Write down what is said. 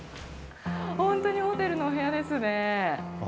本当にホテルのお部屋ですね。